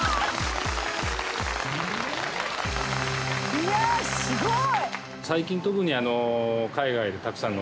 いやすごい！